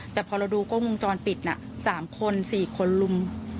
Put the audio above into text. แต่พอเราดูกล้องวงจรปิด๓คน๔คนลุม